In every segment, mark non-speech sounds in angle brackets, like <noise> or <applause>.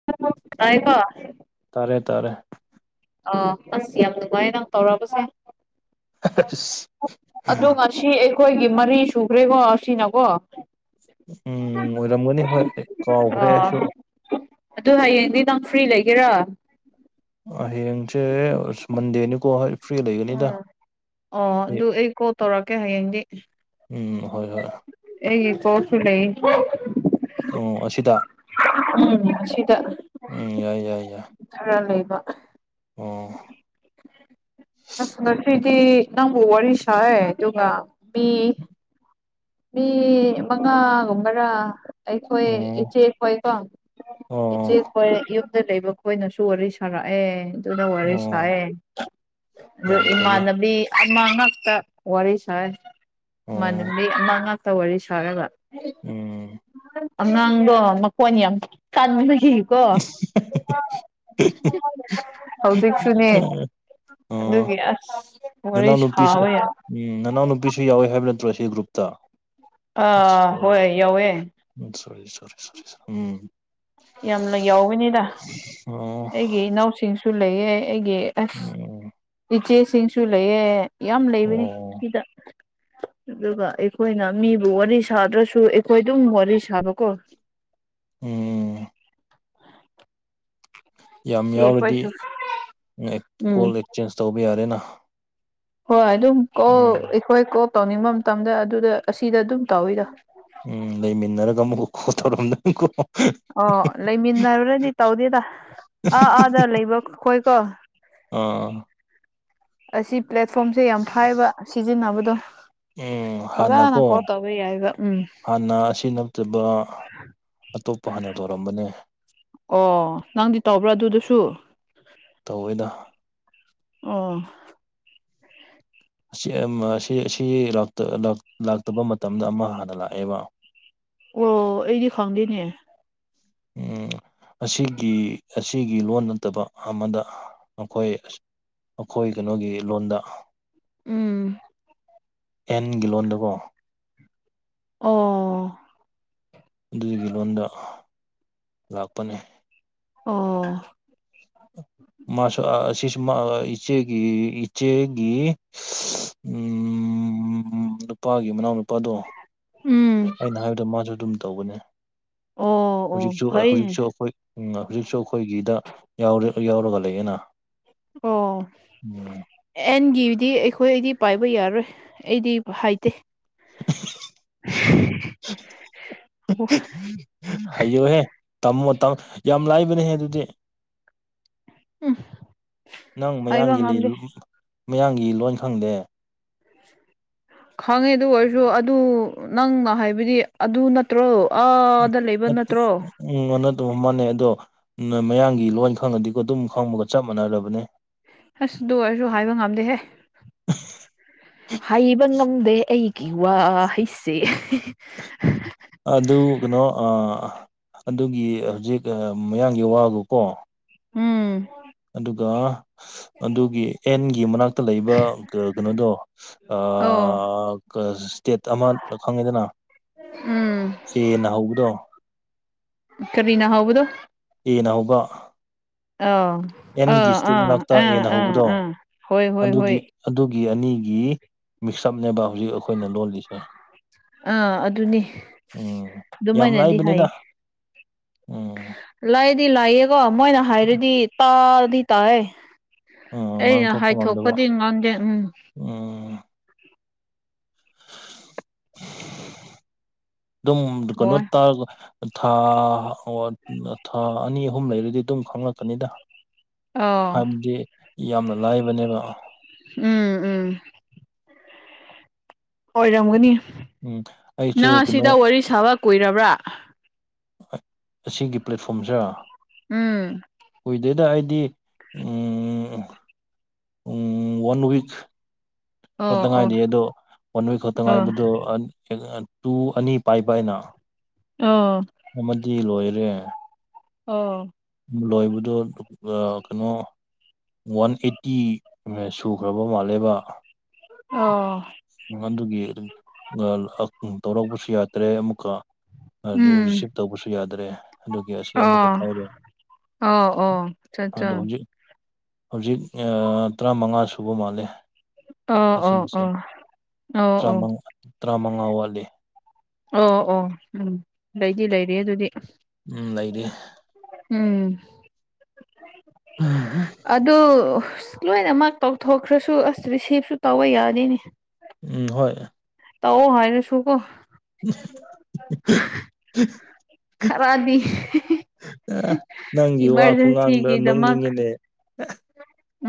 <unintelligible> ꯇꯥꯔꯦ ꯇꯥꯔꯦ ꯑ ꯑꯁ ꯌꯥꯝ ꯅꯨꯡꯉꯥꯏꯌꯦ ꯅꯪ ꯇꯧꯔꯛꯕꯁꯦ ꯑꯁ ꯑꯗꯣ ꯁꯤ ꯑꯩꯈꯣꯏꯒꯤ ꯃꯔꯤ ꯁꯨꯈ꯭ꯔꯦꯀꯣ ꯑꯁꯤꯅꯀꯣ ꯎꯝ ꯑꯣꯏꯔꯝꯒꯅꯤ ꯍꯣꯏ ꯀꯥꯎꯈ꯭ꯔꯦ ꯑꯣ ꯑꯩꯁꯨ ꯑꯗꯨ ꯍꯌꯦꯡꯗꯤ ꯅꯪ ꯐ꯭ꯔꯤ ꯂꯩꯒꯦꯔꯥ ꯑꯍꯌꯦꯡꯁꯦ ꯃꯟꯗꯦꯅꯤ ꯀꯣ ꯎꯝ ꯑꯣ ꯑꯗꯨ ꯑꯩ ꯀꯣꯜ ꯇꯧꯔꯛꯀꯦ ꯍꯌꯦꯡꯗꯤ ꯎꯝ ꯍꯣꯏ ꯍꯣꯏ ꯑꯩꯒꯤ ꯀꯣꯁꯁꯨ ꯂꯩ ꯎꯝ ꯑꯁꯤꯗ ꯎꯝ ꯑꯁꯤꯗ ꯎꯝ ꯌꯥꯏ ꯌꯥꯏ ꯌꯥꯏ ꯈꯔ ꯂꯩꯕ ꯎꯝ ꯑꯁ ꯉꯥꯁꯤꯗꯤ ꯅꯪꯕꯨꯣ ꯋꯥꯔꯤꯔꯁꯌꯦ ꯑꯗꯨꯒ ꯃꯤ ꯃꯤ ꯃꯉꯥꯒꯨꯝꯕꯔꯥ ꯑꯩꯈꯣꯏ ꯑꯣ ꯏꯆꯦꯈꯣꯏ ꯀꯣ ꯑꯣ ꯏꯆꯦ ꯍꯣꯏ ꯌꯨꯝꯗ ꯂꯩꯕ ꯈꯣꯏꯅꯁꯨ ꯋꯥꯔꯤ ꯁꯥꯔꯛꯑꯦ ꯗ ꯑꯣ ꯋꯥꯔꯤꯔꯁ ꯑꯗꯨ ꯌꯥꯝ ꯐꯩꯌꯦ ꯏꯃꯥꯟꯕꯤ ꯑꯃ ꯉꯛꯇ ꯋꯥꯔꯤ ꯁꯥꯔ‌ꯦ ꯑꯣ ꯏꯃꯥꯟꯅꯕꯤ ꯑꯃ ꯉꯛꯇ ꯋꯥꯔꯤ ꯁꯥꯔꯒ ꯎꯝ <unintelligible> ꯑꯉꯥꯡꯗꯣ ꯃꯀꯣꯟ ꯌꯥꯝ ꯀꯥꯟꯒꯤ ꯀꯣ <unintelligible> ꯍꯧꯖꯤꯛꯁꯨꯅꯦ ꯑꯣ ꯑꯗꯨꯒꯤ ꯑꯁ ꯋꯥꯔꯤ ꯅꯅꯥꯎ ꯅꯨꯄꯤꯁꯨ ꯁꯥꯕ ꯌꯥ ꯎꯝ ꯅꯅꯥꯎ ꯅꯨꯄꯤꯁꯨ ꯌꯥꯎꯋꯤ ꯍꯥꯏꯕ ꯅꯠꯇ꯭ꯔꯣ ꯁꯤ ꯒ꯭ꯔꯨꯞꯇ ꯑꯥ ꯍꯣꯏ ꯌꯥꯎꯋꯦ ꯎꯝ ꯁꯣ ꯁꯔꯤ ꯁꯣꯔꯤ ꯎꯝ ꯌꯥꯝꯅ ꯌꯥꯎꯋꯅꯤꯗ ꯑꯣ ꯑꯩꯒꯤ ꯏꯅꯥꯎꯁꯤꯡꯁꯨ ꯂꯩꯌꯦ ꯑꯩꯒꯤ ꯑꯁ ꯎꯝ ꯏꯆꯦꯁꯤꯡꯁꯨ ꯂꯩꯌꯦ ꯌꯥꯝ ꯂꯩꯕꯅꯤ ꯑꯣ ꯁꯤꯗ ꯑꯗꯨꯒ ꯑꯩꯈꯣꯏꯅ ꯃꯤꯕꯨ ꯋꯥꯔꯤ ꯁꯥꯗ꯭ꯔꯁꯨ ꯑꯩꯈꯣꯏ ꯑꯗꯨꯝ ꯋꯥꯔꯤ ꯁꯥꯕꯀꯣ ꯎꯝ ꯌꯥꯝ ꯁꯤ ꯌꯥꯎꯔꯗꯤ ꯑꯩꯈꯣꯏꯁꯨ ꯎꯝ ꯀꯣꯜ ꯑꯦꯛꯆꯦꯟꯖ ꯇꯧꯕ ꯌꯥꯔꯦꯅ ꯍꯣꯏ ꯑꯗꯨꯝ ꯀꯣꯜ ꯎꯝ ꯑꯩꯈꯣꯏ ꯀꯣꯜ ꯇꯧꯅꯤꯡꯕ ꯃꯇꯝꯗ ꯑꯗꯨꯗ ꯑꯁꯤꯗ ꯑꯗꯨꯝ ꯇꯧꯋꯤꯗꯣ ꯎꯝ ꯂꯩꯃꯤꯟꯅꯔꯒ ꯑꯃꯨꯛ <unintelligible> ꯀꯣꯇꯣꯔꯝꯗ ꯀꯣ ꯑꯣ ꯂꯩꯃꯤꯟꯅꯔꯨꯔꯗꯤ ꯇꯧꯗꯦꯗ ꯑꯥ ꯑꯥꯗ ꯂꯩꯕ ꯈꯣꯏꯀꯣ ꯑꯥ ꯑꯁꯤ ꯄ꯭ꯂꯦꯠꯐꯣꯝꯁꯦ ꯌꯥꯝ ꯍꯥꯏꯕ ꯁꯤꯖꯤꯟꯅꯕꯗꯣ ꯎꯝ ꯐꯖꯅ ꯍꯥꯟꯅꯀꯣ ꯀꯣꯜ ꯇꯧꯕ ꯌꯥꯏꯕ ꯎꯝ ꯍꯥꯟꯅ ꯑꯁꯤꯅ ꯅꯠꯇꯕ ꯑꯇꯣꯞꯄ ꯍꯥꯟꯅ ꯇꯧꯔꯝꯕꯅꯦ ꯑꯣ ꯅꯪꯗꯤ ꯇꯧꯕ꯭ꯔꯥ ꯑꯗꯨꯗꯨꯁꯨ ꯇꯧꯋꯦꯗ ꯑꯣ ꯑꯁꯤ ꯑꯃ ꯂꯥꯛꯇꯕ ꯃꯇꯝꯗ ꯑꯃ ꯍꯥꯟꯅ ꯂꯥꯛꯑꯦꯕ ꯑꯣ ꯑꯩꯗꯤ ꯈꯪꯗꯦꯅꯦ ꯎꯝ ꯑꯁꯤꯒꯤ ꯑꯁꯤꯒꯤ ꯂꯣꯟ ꯅꯠꯇꯕ ꯑꯃꯗ ꯑꯩꯈꯣꯏ ꯑꯩꯈꯣꯏ ꯀꯩꯅꯣꯒꯤ ꯂꯣꯟꯗ ꯎꯝ ꯑꯦꯟꯒꯤ ꯂꯣꯟꯗꯀꯣ ꯑꯣ ꯑꯗꯨꯒꯤ ꯂꯣꯟꯗ ꯂꯥꯛꯄꯅꯦ ꯑꯣ ꯃꯥꯁꯨ ꯏꯆꯦꯒꯤ ꯏꯆꯦꯒꯤ ꯎꯝ ꯅꯨꯄꯥꯒꯤ ꯃꯅꯥꯎ ꯅꯨꯄꯥꯗꯣ ꯎꯝ ꯑꯩꯅ ꯍꯥꯏꯕꯗꯨ ꯃꯥꯁꯨ ꯑꯗꯨꯝ ꯇꯧꯕꯅꯦ ꯑꯣ ꯑꯣ ꯍꯧꯖꯤꯛꯁꯨ ꯐꯩꯅꯦ ꯍꯧꯖꯤꯛꯁꯨ ꯑꯩꯈꯣꯏ ꯎꯝ ꯍꯧꯖꯤꯛꯁꯨ ꯑꯩꯈꯣꯏꯒꯤꯗ ꯌꯥꯎꯔꯒ ꯂꯩꯌꯦꯅ ꯑꯣ ꯎꯝ ꯑꯦꯟꯒꯤꯗꯤ ꯑꯩꯈꯣꯏ ꯑꯩꯗꯤ ꯄꯥꯏꯕ ꯌꯥꯔꯣꯏ ꯑꯩꯗꯤ ꯍꯥꯏꯇꯦ <unintelligible> <unintelligible> ꯍꯥꯏꯌꯣꯍꯦ ꯇꯝꯃꯣꯃ ꯌꯥꯝ ꯂꯥꯏꯕꯅꯦꯍꯦ ꯑꯗꯨꯗꯤ ꯎꯝ <inaudible> ꯅꯪ ꯍꯥꯏꯕ ꯃꯌꯥꯡꯒꯤ ꯂꯩ ꯉꯝꯗꯦ <unintelligible> ꯃꯌꯥꯡꯒꯤ ꯂꯣꯟ ꯈꯪꯗꯦ ꯈꯪꯉꯦ ꯑꯗꯨ ꯑꯣꯏꯔꯁꯨ ꯑꯗꯨ ꯅꯪꯅ ꯍꯥꯏꯕꯗꯤ ꯑꯗꯨ ꯅꯠꯇ꯭ꯔꯣ ꯑꯥꯗ ꯂꯩꯕ ꯅꯠꯇꯦ ꯅꯠꯇ꯭ꯔꯣ ꯎꯝ ꯑꯗꯨꯅ ꯑꯗꯨꯝ ꯃꯥꯟꯅꯩ ꯑꯗꯣ ꯃꯌꯥꯝꯒꯤ ꯂꯣꯏ ꯈꯪꯉꯗꯤꯀꯣ ꯑꯗꯨꯝ ꯈꯪꯕꯒ ꯆꯞ ꯃꯥꯟꯅꯔꯕꯅꯦ ꯑꯁ ꯑꯗꯨ ꯑꯣꯏꯔꯁꯨ ꯍꯥꯏꯕ ꯉꯝꯗꯦꯍꯦ ꯍꯩꯕ ꯉꯝꯗꯦ ꯑꯩꯒꯤ ꯋꯥ ꯍꯩꯁꯦ <unintelligible> ꯑꯗꯨ ꯀꯩꯅꯣ ꯑꯗꯨꯒꯤ ꯍꯧꯖꯤꯛ ꯃꯌꯥꯡꯒꯤ ꯋꯥꯒꯀꯣ ꯎꯝ ꯑꯗꯨꯒ ꯑꯗꯨꯒꯤ ꯑꯦꯟꯒꯤ ꯃꯅꯥꯛꯇ ꯂꯩꯕ ꯀꯩꯅꯣꯗꯣ ꯑ ꯑꯣ ꯏꯁꯇꯦꯠ ꯑꯃ ꯈꯪꯉꯤꯗꯅ ꯎꯝ ꯆꯦꯅ ꯍꯧꯕꯗꯣ ꯀꯔꯤꯅꯥ ꯍꯧꯕꯗꯣ ꯑꯦꯅ ꯍꯧꯕ ꯑꯣ ꯑ ꯑꯦꯟꯒꯤ ꯏꯁꯇꯦꯠ ꯃꯅꯥꯛꯇ ꯑꯦꯅ ꯑ ꯍꯧꯕꯗꯣ ꯑ ꯍꯣꯏ ꯍꯣꯏ ꯍꯣꯏ ꯑꯗꯨꯒꯤ ꯑꯗꯨꯒꯤ ꯑꯅꯤꯒꯤ ꯃꯤꯛꯁꯑꯞꯅꯦꯕ ꯍꯧꯖꯤꯛ ꯑꯩꯈꯣꯏꯅ ꯂꯣꯜꯂꯤꯁꯦ ꯑꯥ ꯑꯗꯨꯅꯤ ꯎꯝ ꯌꯥꯝ ꯑꯗꯨꯃꯥꯏꯅꯗꯤ ꯍꯥꯏꯌꯦ ꯂꯥꯏꯕꯅꯤꯅ ꯎꯝ ꯂꯥꯏꯗꯤ ꯂꯥꯏꯌꯦꯀꯣ ꯃꯣꯏꯅ ꯍꯥꯏꯔꯗꯤ ꯇꯥꯗꯤ ꯇꯥꯏꯑꯦ ꯎꯝ ꯑꯩꯅ ꯉꯥꯡꯊꯣꯛꯄ ꯉꯝꯗꯕ ꯍꯥꯏꯊꯣꯛꯄꯗꯤ ꯉꯥꯡꯗꯦ ꯎꯝ ꯎꯝ ꯑꯗꯨꯝ ꯀꯩꯅꯣ ꯍꯣꯏ ꯇ ꯊꯥ ꯊꯥ ꯑꯅꯤ ꯑꯍꯨꯝ ꯂꯩꯔꯗꯤ ꯑꯗꯨꯝ ꯈꯪꯪꯂꯛꯀꯅꯤꯗ ꯑꯥ ꯍꯥꯏꯕꯗꯤ ꯌꯥꯝꯅ ꯂꯥꯏꯕꯅꯦꯕ ꯎꯝ ꯎꯝ ꯑꯣꯏꯔꯝꯒꯅꯤ ꯎꯝ ꯑꯩꯁꯨ ꯅꯪ ꯀꯩꯅꯣ ꯁꯤꯗ ꯋꯥꯔꯤ ꯁꯥꯕ ꯀꯨꯏꯔꯕ꯭ꯔꯥ ꯑꯁꯤꯒꯤ ꯄ꯭ꯂꯦꯠꯐꯣꯝꯁꯤꯦ ꯎꯝ ꯀꯨꯏꯗꯣꯏꯗ ꯑꯩꯗꯤ ꯋꯥꯟ ꯋꯤꯛ ꯑꯣ ꯈꯇ ꯑꯣ ꯉꯥꯏꯗꯦ ꯑꯗꯣ ꯋꯥꯟ ꯋꯤꯛ ꯈꯛꯇ ꯑꯣ ꯉꯥꯏꯕꯗꯣ ꯇꯨ ꯑꯅꯤ ꯄꯥꯏꯕ ꯍꯥꯏꯅ ꯑꯣ ꯑꯃꯗꯤ ꯂꯣꯏꯔꯦ ꯑꯣ ꯂꯣꯏꯕꯗꯣ ꯀꯩꯅꯣ ꯋꯥꯟ ꯑꯩꯠꯇꯤ ꯁꯨꯈ꯭ꯔꯕ ꯃꯥꯜꯂꯦꯕ ꯑ <unintelligible> <inaudible> ꯑꯗꯨꯒꯤ ꯇꯧꯔꯛꯄꯁꯨ ꯌꯥꯗ꯭ꯔꯦ ꯑꯃꯨꯛꯀ ꯎꯝ ꯔꯤꯁꯤꯞ ꯇꯧꯕꯁꯨ ꯌꯥꯗ꯭ꯔꯦ ꯑꯗꯨꯒꯤ ꯑꯁꯤ ꯑꯃꯨꯛꯀ ꯑꯣ ꯄꯥꯏꯔꯦ ꯑꯣ ꯑꯣ ꯑꯆꯥ ꯑꯠꯆꯥ ꯑꯗꯣ <inaudible> ꯍꯧꯖꯤꯛ <unintelligible> ꯍꯧꯖꯤꯛ ꯇꯔꯥꯃꯉꯥ ꯁꯨꯕ ꯃꯥꯜꯂꯦ ꯑꯣ ꯑꯣ ꯑꯣ <unintelligible> <inaudible> ꯇꯥꯃꯉꯥ ꯇꯔꯥꯃꯉꯥ ꯋꯥꯠꯂꯤ ꯑꯣ ꯑꯣ ꯎꯝ ꯂꯩꯗꯤ ꯂꯩꯔꯤ ꯑꯗꯨꯗꯤ ꯎꯝ ꯂꯩꯔꯤ ꯎꯝ ꯑꯗ ꯂꯣꯏꯅꯃꯛ ꯇꯧꯊꯣꯛꯈ꯭ꯔꯁꯨ ꯑꯁ ꯔꯤꯁꯤꯞꯁꯨ ꯇꯧꯕ ꯌꯥꯅꯤꯅꯦ ꯎꯝ ꯍꯣꯏ ꯇꯧ ꯍꯥꯏꯅꯦ ꯁꯨ ꯀꯣ ꯎ <unintelligible> <inaudible> ꯈꯔꯗꯤ ꯅꯪꯒꯤ ꯋꯥ ꯈꯨꯡꯒꯥꯡꯗꯣ ꯏꯃꯥꯔꯖꯦꯟꯁꯤꯒꯤꯗꯃꯛ ꯅꯣꯡꯅꯤꯡꯉꯤꯅꯦ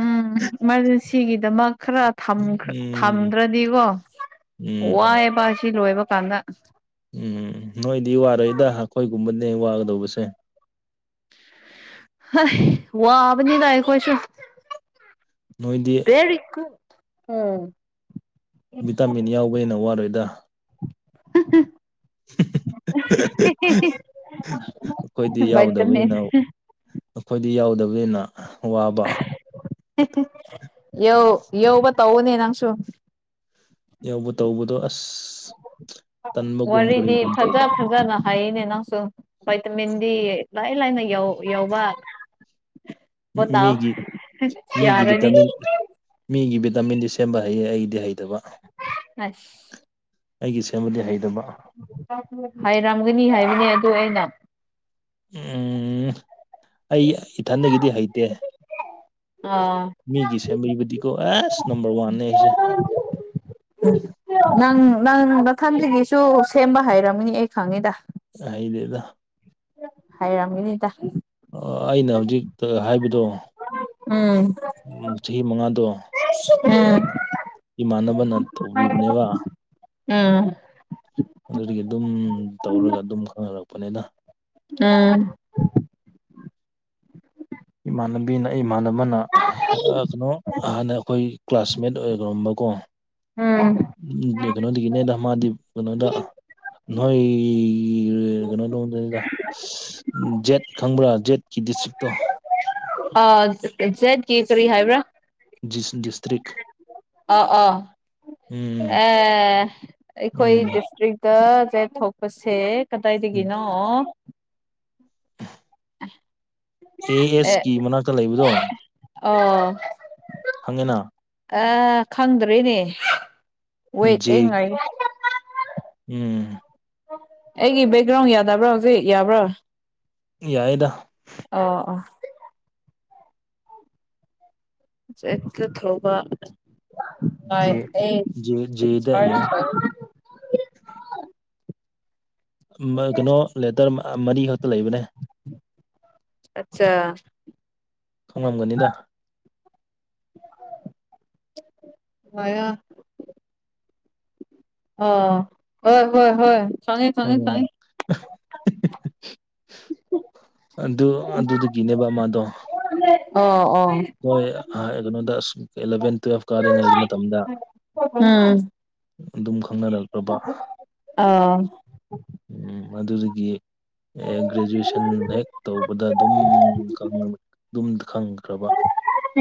ꯎꯝ ꯏꯃꯥꯔꯖꯦꯟꯁꯤꯒꯤꯗꯃꯛ ꯈꯔ ꯎꯝ ꯊꯝꯗ꯭ꯔꯗꯤꯀꯣ ꯎꯝ ꯋꯥꯑꯕ ꯁꯤ ꯂꯣꯏꯕ ꯀꯥꯟꯗ ꯎꯝ ꯅꯣꯏꯗꯤ ꯋꯥꯔꯣꯏꯗ ꯑꯩꯈꯣꯏꯒꯨꯝꯕꯅꯦ ꯋꯥꯒꯗꯧꯕꯁꯦ ꯋꯥꯕꯅꯤ ꯂꯥꯛꯑ ꯈꯨꯁ ꯅꯣꯏꯗꯤ ꯎꯝ <inaudible> <unintelligible> ꯚꯤꯇꯥꯃꯤꯟ ꯌꯥꯎꯕꯅ ꯋꯥꯔꯣꯏꯗ ꯑꯩꯈꯣꯏꯗꯤ <unintelligible> ꯏꯇꯃꯦ ꯌꯥꯎꯗꯕꯅꯤꯅ ꯑꯩꯈꯣꯏꯗꯤ ꯌꯥꯎꯗꯕꯅ ꯋꯥꯕ ꯌꯧ ꯌꯧꯧꯕ ꯇꯧꯅꯦ ꯅꯪꯁꯨ ꯌꯥꯎꯧꯕ ꯇꯧꯕꯗꯣ ꯑꯁ ꯇꯟꯕꯒꯨꯝ ꯋꯥꯔꯤꯗꯤ ꯀꯔꯤꯒꯨꯝ ꯇꯧꯕ ꯐꯖ ꯐꯖꯅ ꯍꯥꯏꯔꯤꯅꯦ ꯅꯪꯁꯨ ꯚꯥꯏꯇꯃꯤꯟ ꯗꯤ ꯂꯥꯏ ꯂꯥꯏꯅ ꯌꯎꯧꯕ ꯇꯥꯑꯣ ꯃꯤꯒꯤ ꯃꯤꯒꯤ ꯀꯔꯅꯤ ꯚꯤꯇꯥꯃꯤꯟ ꯃꯤꯒꯤ ꯚꯤꯇꯥꯃꯤꯟꯗꯤ ꯁꯦꯝꯕ ꯍꯩꯌꯦ ꯑꯩꯗꯤ ꯍꯩꯇꯕ ꯑꯁ ꯑꯩꯒꯤ ꯁꯦꯃꯤꯂꯤ ꯍꯩꯇꯕ ꯍꯥꯏꯔꯝꯒꯅꯤ ꯍꯥꯏꯕꯅꯦ ꯑꯗꯨ ꯑꯩꯅ ꯎꯝ ꯑꯩ ꯏꯊꯟꯗꯒꯤꯗꯤ ꯍꯩꯇꯦ ꯑꯥ ꯃꯤꯒꯤꯁꯦ ꯃꯔꯤꯕꯗꯤꯀꯣ ꯑꯦꯁ ꯅꯝꯕꯔ ꯋꯥꯟꯅꯦ ꯑꯩꯁꯦ ꯎ ꯅꯪ ꯅꯪ ꯃꯊꯟꯁꯤꯒꯤꯁꯨ ꯁꯦꯝꯕ ꯍꯥꯏꯔꯝꯃꯤꯅꯤ ꯑꯩ ꯈꯪꯉꯤꯗ ꯑꯗꯦꯗ ꯍꯥꯏꯔꯝꯃꯤꯅꯤꯗ ꯑꯩꯅ ꯍꯧꯖꯤꯛꯇ ꯍꯥꯏꯕꯗꯣ ꯎꯝ ꯎꯝ ꯆꯍꯤ ꯃꯉꯥꯗꯣ ꯎꯝ ꯏꯃꯥꯟꯅꯕꯅ ꯇꯧꯕꯤꯕꯅꯦꯕ ꯎꯝ ꯑꯗꯨꯗꯒꯤ ꯑꯗꯨꯝ ꯇꯧꯔꯒ ꯑꯗꯨꯝ ꯈꯪꯅꯔꯛꯄꯅꯤꯗ ꯎꯝ ꯏꯃꯥꯟꯅꯕꯤꯅ ꯏꯃꯥꯟꯅꯕꯅ ꯀꯩꯅꯣ ꯍꯥꯟꯅ ꯑꯩꯈꯣꯏ ꯀ꯭ꯂꯥꯁꯃꯦꯠ ꯑꯣꯏꯈꯔꯝꯕꯀꯣ ꯎꯝ ꯎꯝ ꯀꯩꯅꯣꯗꯒꯤꯅꯦꯗ ꯃꯥꯗꯤ ꯀꯩꯅꯣꯗ ꯅꯣꯏ ꯀꯩꯅꯣ ꯅꯗꯅꯤꯗ <inaudible> ꯖꯦꯠ ꯈꯪꯕ꯭ꯔꯥ ꯖꯦꯠꯀꯤ ꯗꯤꯁꯇ꯭ꯔꯤꯛꯇꯣ ꯑ ꯖꯦꯠ ꯀꯦ ꯀꯔꯤ ꯍꯥꯏꯕ꯭ꯔꯥ ꯗꯤꯁꯇ꯭ꯔꯤꯛ ꯑꯥ ꯑ ꯎꯝ ꯑꯩꯈꯣꯏ ꯎꯝ ꯗꯤꯁꯇ꯭ꯔꯤꯛꯇ ꯆꯦꯛ ꯊꯣꯛꯄꯁꯦ ꯀꯇꯥꯏꯗꯦꯒꯅꯣ ꯑꯦ ꯑꯦꯁ ꯀꯤ ꯃꯅꯥꯛꯇ ꯂꯩꯕꯗꯣ ꯑꯣ ꯐꯪꯉꯅ ꯑ ꯈꯪꯗ꯭ꯔꯦꯅꯦ ꯋꯦꯠ ꯖꯦ ꯑꯩ ꯉꯥꯏ ꯎꯝ ꯑꯩꯒꯤ ꯕꯦꯛꯒ꯭ꯔꯥꯎꯟ ꯌꯥꯗꯕ꯭ꯔꯥ ꯍꯧꯖꯤꯛ ꯌꯥꯕ꯭ꯔꯥ ꯌꯥꯏꯌꯦꯗ ꯑꯣ ꯑꯣ ꯖꯤꯠꯀꯥ ꯊꯧꯕ ꯃꯥꯏ J J S Z sorry ꯌꯦꯡꯉꯣ ꯁꫭꯔꯤ ꯀꯩꯅꯣ ꯂꯦꯇꯔ ꯃꯔꯤ ꯈꯛꯇ ꯂꯩꯕꯅꯦ ꯑꯠꯆꯥ ꯈꯪꯉꯝꯒꯅꯤꯗ <unintelligible> ꯑꫭ ꯍꯣꯏ ꯍꯣꯏ ꯍꯣꯏ ꯈꯪꯉꯦ ꯈꯪꯉꯦ ꯎꯝ ꯑꯗꯨ ꯑꯗꯨꯗꯒꯤꯅꯦꯕ ꯃꯥꯗꯣ <unintelligible> ꯑꯣ ꯑꯣ ꯍꯣꯏ ꯑꯥ ꯀꯩꯅꯣꯗ ꯑꯁ ꯑꯦꯂꯚꯦꯟ ꯇꯨꯋꯦꯜꯕ ꯀꯥꯔꯤꯉꯩ ꯃꯇꯝꯗ ꯎꯝ ꯑꯗꯨꯝ ꯈꯪꯅꯔꯛ ꯑꯕꯥ ꯑꯥ ꯎꯝ ꯃꯗꯨꯗꯒꯤ ꯑꯦ ꯒ꯭ꯔꯦꯖꯨꯑꯦꯁꯟ ꯍꯦꯛ ꯇꯧꯕꯗ ꯑꯗꯨꯝ ꯈꯪ ꯑꯗꯨꯝ ꯈꯪꯈ꯭ꯔꯕ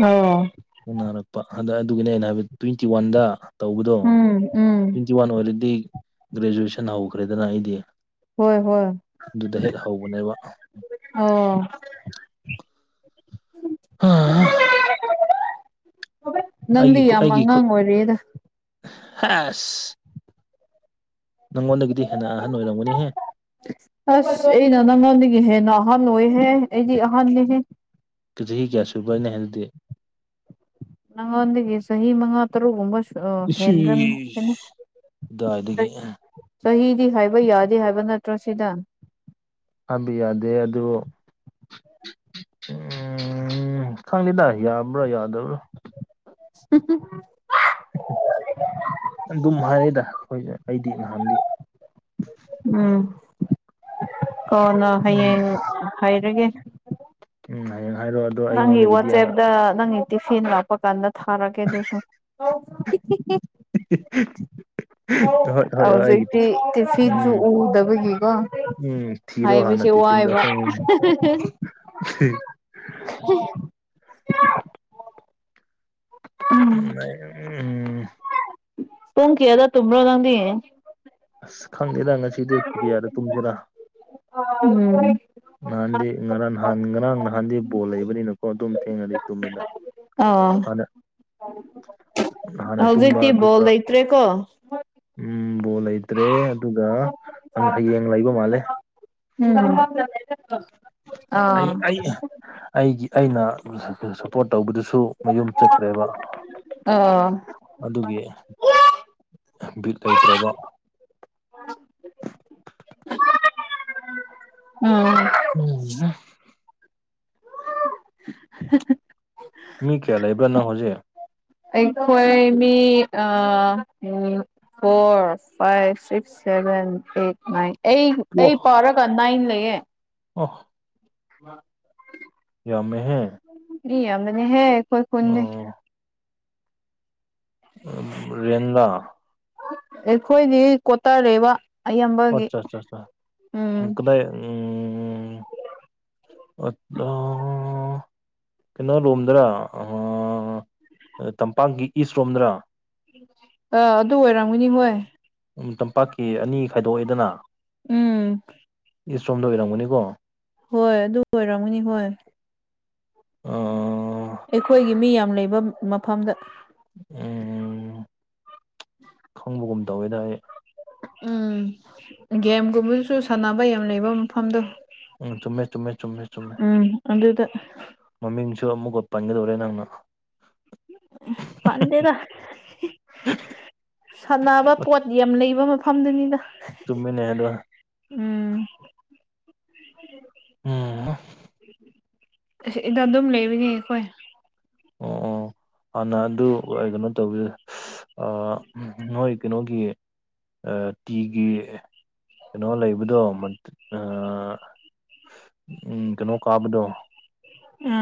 ꯑꯣ ꯎꯅꯔꯥꯡꯄ ꯍꯥꯟꯗꯥꯛ ꯑꯗꯨꯒꯤꯅꯦ ꯑꯩꯅ ꯍꯥꯏꯕ ꯇ꯭ꯋꯦꯟꯇꯤ ꯋꯥꯟꯗ ꯇꯧꯕꯗꯣ ꯎꯝ ꯎꯝ ꯇꯨꯋꯦꯟꯇꯤ ꯋꯥꯟ ꯑꯣꯏꯔꯗꯤ ꯒ꯭ꯔꯦꯖꯨꯑꯦꯁꯟ ꯍꯧꯈ꯭ꯔꯦꯗꯅ ꯑꯩꯗꯤ ꯍꯣꯏ ꯍꯣꯏ ꯑꯗꯨꯗ ꯍꯦꯛ ꯍꯧꯕꯅꯦꯕ ꯑꯣ <unintelligible> ꯅꯪꯗꯤ ꯌꯥꯝ ꯑꯉꯥꯡ ꯑꯣꯏꯔꯤꯗ ꯍꯥꯏꯁꯦ ꯅꯪꯉꯣꯟꯗꯒꯤꯗꯤ ꯍꯦꯟꯅ ꯑꯍꯟ ꯑꯣꯏꯔꯝꯒꯅꯤꯍꯦ ꯑꯁ ꯑꯩꯅ ꯅꯪꯉꯣꯟꯗꯒꯤ ꯍꯦꯟꯅ ꯑꯍꯜ ꯑꯣꯏꯍꯦ ꯑꯩꯗꯤ ꯑꯍꯥꯟꯅꯤꯍꯦ ꯆꯍꯤ ꯀꯌꯥ ꯁꯨꯕꯅꯦ ꯍꯥꯏꯗꯨꯗꯤ ꯅꯪ ꯑꯣꯟꯗꯗꯒꯤ ꯆꯍꯤ ꯃꯪꯉꯥ ꯇꯔꯒꯨꯝꯕ ꯏꯁ ꯍꯦꯟꯈꯔꯕꯅꯤ ꯑꯗꯨꯗꯥꯏꯗꯒꯤ <inaudible> ꯆꯍꯤꯗꯤ ꯍꯥꯏꯕ ꯌꯥꯗꯦ ꯍꯥꯏꯕ ꯅꯠꯇ꯭ꯔꯣ ꯁꯤꯗ ꯍꯥꯏꯕ ꯌꯥꯗꯦ ꯑꯗꯨ ꯎꯝ ꯈꯪꯗꯦꯗ ꯌꯥꯕ꯭ꯔꯥ ꯌꯥꯗꯕ꯭ꯔꯥ <unintelligible> ꯑꯗꯨꯝ ꯍꯥꯏꯌꯦꯗ ꯑꯩꯈꫭꯏ ꯑꯩꯗꯤ ꯅꯍꯥꯟꯗꯤ ꯎꯝ ꯀꯣꯟꯅ ꯎꯝ ꯍꯌꯦꯡ ꯍꯥꯏꯔꯒꯦ ꯎꯝ ꯍꯌꯦꯡ ꯍꯥꯏꯔꯣ ꯑꯗꯨ ꯅꯪꯒꯤ ꯋꯥꯆꯦꯞꯇ ꯅꯪꯒꯤ ꯇꯤꯐꯤꯟ ꯂꯥꯛꯄ ꯀꯥꯟꯗ ꯊꯥꯔꯒꯦ ꯑꯗꯨꯁꯨ <unintelligible> ꯍꯣꯏ ꯍꯣꯏ ꯑꯩꯒꯤ ꯍꯧꯖꯤꯛꯇꯤ ꯇꯤꯐꯤꯟ ꯇꯤꯐꯤꯟꯁꯨ ꯎꯝ ꯎꯗꯕꯒꯤꯀꯣ ꯎꯝ ꯊꯤꯔꯣ ꯍꯥꯟꯅ ꯍꯥꯏꯕꯁꯦ ꯋꯥꯏꯕ ꯇꯤꯐꯤꯟꯗꫭ <unintelligible> ꯎꯝ <unintelligible> ꯎꯝ ꯄꯨꯡ ꯀꯌꯥꯗꯥ ꯇꯨꯝꯕ꯭ꯔꯣ ꯅꯪꯗꯤ ꯑꯁ ꯈꯪꯗꯦꯗꯥ ꯉꯁꯤꯗꯤ ꯄꯨꯡ ꯀꯌꯥꯗ ꯇꯨꯝꯁꯤꯔꯥ ꯅꯍꯥꯟꯗꯤ ꯉꯔꯥꯡ ꯅꯍꯥꯟ ꯉꯔꯥꯡ ꯅꯍꯥꯟꯗꯤ ꯕꯣꯜ ꯂꯩꯕꯅꯤꯅꯀꯣ ꯑꯗꯨꯝ ꯊꯦꯡꯅꯗꯤ ꯇꯨꯝꯃꯤꯗ ꯑꫭ <unintelligible> ꯃꯥꯅꯦ ꯍꯧꯖꯤꯛꯇꯤ ꯕꯣꯜ ꯂꯩꯇ꯭ꯔꯦ ꯀꯣ ꯎꯝ ꯕꯣꯜ ꯂꯩꯇ꯭ꯔꯦ ꯑꯗꯨꯒ ꯍꯌꯦꯡ ꯂꯩꯕ ꯃꯥꯜꯂꯦ ꯎꯝ <unintelligible> ꯑꯩ ꯑꯩ ꯑꯩꯒꯤ ꯑꯩꯅ ꯁꯞꯄꯣꯔꯠ ꯇꯧꯕꯗꯨꯁꯨ ꯃꯌꯨꯝ ꯆꯠꯈ꯭ꯔꯦꯕ ꯑ ꯑꯗꯨꯒꯤ ꯕꯤꯠ ꯂꯩꯇ꯭ꯔꯕ ꯎꯝ <unintelligible> <inaudible> ꯎꯝ ꯃꯤ ꯀꯌꯥ ꯂꯩꯕ꯭ꯔꯅꯣ ꯍꯧꯖꯤꯛ ꯑꯩꯈꯣꯏ ꯃꯤ ꯑ ꯎꯝ four five six seven eight nine ꯑꯩ ꯑꯣ ꯑꯩ ꯄꯥꯎꯔꯒꯗꯥꯏꯅ ꯂꯩꯌꯦ ꯑꯣ ꯌꯃꯦꯍꯦ ꯏ ꯌꯥꯝꯅꯤ ꯍꯦ ꯑꯩꯣꯏ ꯀꯣꯟ ꯑꯣ ꯎ ꯔꯗꯥ ꯑꯩꯈꯣꯏꯗꯤ ꯀꯣꯠꯇꯔꯦꯕ ꯑꯌꯥꯝꯕꯒꯤ ꯑꯠꯆꯥ ꯑꯠꯆꯥ ꯑꯠꯆꯥ ꯎꯝ ꯀꯗꯥꯏ ꯎꯝ ꯑ ꯀꯩꯅꯣꯔꯣꯝꯗꯔ ꯇꯝꯄꯥꯛꯀꯤ ꯏꯁꯔꯣꯝꯗꯔꯥ ꯑꯥ ꯑꯗꯨ ꯑꯣꯏꯔꯝꯒꯅꯤ ꯍꯣꯏ ꯎꯝ ꯇꯝꯄꯥꯛꯀꯤ ꯑꯅꯤ ꯈꯥꯏꯗꯣꯛꯑꯦꯗꯅ ꯎꯝ ꯏꯁ ꯔꯣꯝꯗ ꯑꯣꯏꯔꯝꯒꯅꯤꯀꯣ ꯍꯣꯏ ꯑꯗꯨ ꯑꯣꯏꯔꯝꯒꯅꯤ ꯍꯣꯏ ꯎꯝ ꯑꯩꯈꯣꯏꯒꯤ ꯃꯤ ꯌꯥꯝ ꯂꯩꯕ ꯃꯐꯝꯗ ꯈꯪꯕꯒꯨꯝ ꯇꯧꯋꯦꯗ ꯎꯝ ꯒꯦꯝꯒꯨꯝꯕꯗꯁꯨ ꯁꯥꯟꯅꯕ ꯌꯥꯝ ꯂꯩꯕ ꯃꯐꯝꯗꯣ ꯎꯝ ꯆꯨꯝꯃꯦ ꯆꯨꯝꯃꯦ ꯆꯨꯝꯃꯦ ꯆꯨꯝꯃꯦ ꯎꯝ ꯑꯗꯨꯗ ꯃꯃꯤꯡꯁꯨ ꯑꯃꯨꯛꯀ ꯄꯟꯒꯗꯧꯔꯦ ꯅꯪꯅ ꯄꯟꯗꯦꯗ ꯁꯥꯟꯅꯕ ꯄꯣꯠ ꯌꯥꯝ ꯂꯩꯕ ꯃꯐꯝꯗꯨꯅꯤꯅ ꯇꯨꯝꯃꯤꯅꯦ ꯍꯥꯏꯔ ꯎꯝ ꯎꯝ <unintelligible> <inaudible> ꯑꯁꯤ ꯏꯗ ꯑꯗꯨꯝ ꯂꯩꯕꯅꯦ ꯑꯩꯈꯣꯏ ꯑꯣ ꯑꯣ ꯍꯥꯟꯅ ꯑꯗꯨ ꯀꯩꯅꯣ ꯇꯧꯕ ꯅꯣꯏ ꯀꯩꯅꯣꯒꯤ ꯇꯤꯒꯤ ꯀꯩꯅꯣ ꯂꯩꯕꯗꯣ ꯎ ꯀꯩꯅꯣ ꯀꯥꯕꯗꯣ ꯎꯝ <unintelligible> <inaudible>